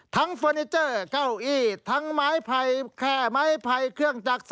เฟอร์นิเจอร์เก้าอี้ทั้งไม้ไผ่แค่ไม้ไผ่เครื่องจักร